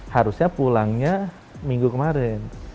harusnya pulangnya minggu kemarin